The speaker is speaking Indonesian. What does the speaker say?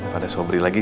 pada sobri lagi